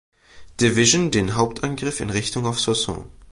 Division den Hauptangriff in Richtung auf Soissons.